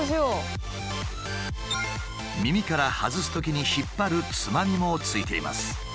耳から外すときに引っ張るつまみも付いています。